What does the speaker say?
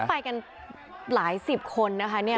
นี่ไปกันหลายสิบคนนะคะเนี่ย